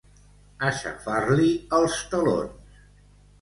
Aixafar-li els talons.